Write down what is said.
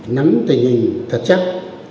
nắm tình hình thật chắc